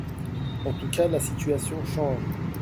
En tous cas, la situation change.